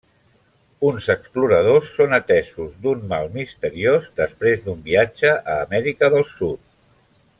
Uns exploradors són atesos d'un de mal misteriós després d'un viatge a Amèrica del Sud.